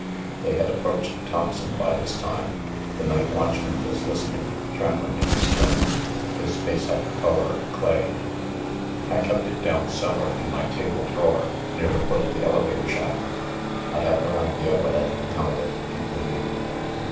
They had approached Thompson by this time. The night watchman was listening, trembling in his turn. His face had the color of clay. THE MIDDLEBURY MURDER 401 "I kept it down cellar in my table drawer, near the foot of the elevator shaft. I have no idea what has become of it!" he pleaded.